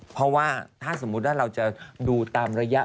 เพราะว่าถ้าสมมุติว่าเราจะดูตามระยะ